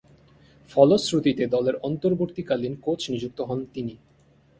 ফলশ্রুতিতে দলের অন্তর্বর্তীকালীন কোচ নিযুক্ত হন তিনি।